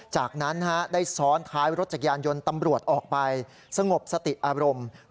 จากนั้นได้ซ้อนท้ายรถจักรยานยนต์ตำรวจออกไปสงบสติอารมณ์